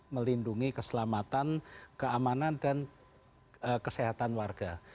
melindungi keselamatan keamanan dan kesehatan warga